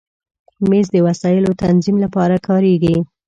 مېز د وسایلو تنظیم لپاره کارېږي.